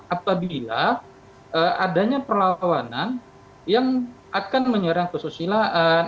apabila adanya perlawanan yang akan menyerang kesusilaan